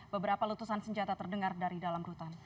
beberapa letusan senjata terdengar dari dalam rutan